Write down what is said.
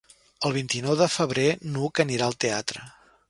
El vint-i-nou de febrer n'Hug anirà al teatre.